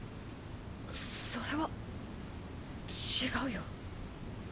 それは違うよ。